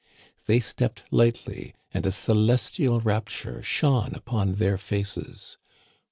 They stepped lightly, and a celestial rapture shone upon their faces.